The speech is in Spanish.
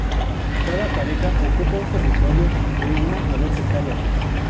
Cada pareja ocupa un territorio de una a dos hectáreas.